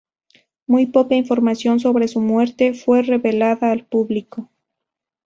Muy poca información sobre su muerte fue revelada al público.